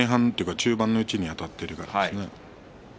中盤の位置であたっているからですね。